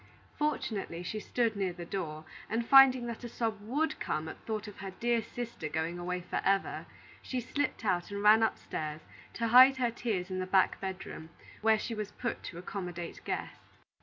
Fortunately she stood near the door, and finding that a sob would come at thought of her dear sister going away forever, she slipped out and ran upstairs to hide her tears in the back bedroom, where she was put to accommodate guests.